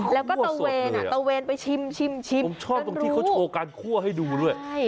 แล้วก็ตะเวนอ่ะตะเวนไปชิมผมชอบตรงที่เขาโชว์การคั่วให้ดูด้วย